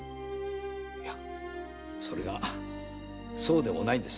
いやそれがそうでもないんです。